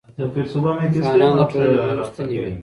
خانان د ټولنې مهم ستنې وې.